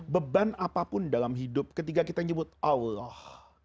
beban apapun dalam hidup ketika kita nyebut allah